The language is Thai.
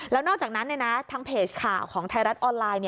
แล้วนอกจากนั้นทางเพจข่าวของไทยรัฐออนไลน์